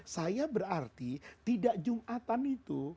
saya berarti tidak jumatan itu